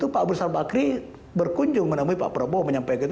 pak abu rizal bakri berkunjung menemui pak prabowo